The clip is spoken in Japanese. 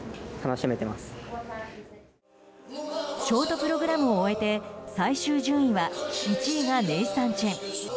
ショートプログラムを終えて最終順位は１位がネイサン・チェン。